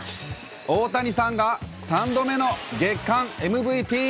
大谷さんが３度目の月間ＭＶＰ。